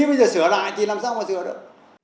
bây giờ sửa lại thì làm sao mà sửa được